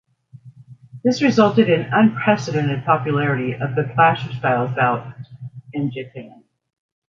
This resulted in unprecedented popularity of the clash-of-styles bouts in Japan.